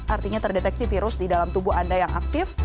artinya terdeteksi virus di dalam tubuh anda yang aktif